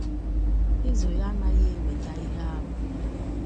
Ịzụ ya anaghị ewèta ihe arụ